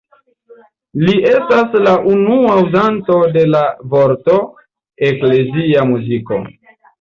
Li estas la unua uzanto de la vorto „eklezia muziko“.